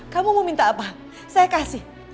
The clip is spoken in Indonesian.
kamu mau minta apa saya kasih